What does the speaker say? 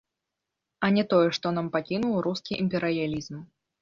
А не тое, што нам пакінуў рускі імперыялізм.